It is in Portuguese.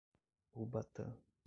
Ubatã